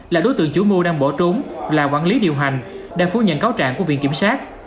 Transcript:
là đối tượng chủ mưu đang bỏ trốn là quản lý điều hành đang phu nhận cáo trạng của viện kiểm sát